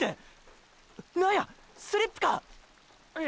何や⁉スリップか⁉いえ